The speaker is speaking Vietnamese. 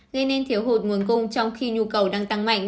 gây nên thiếu hụt nguồn cung trong khi nhu cầu đang tăng mạnh